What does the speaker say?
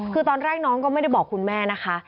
คือตอนแรกน้องก็ไม่ได้บอกคุณแม่นะคะ